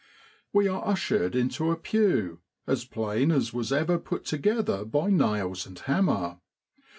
We are ushered into a pew as plain as was ever put together by nails and hammer.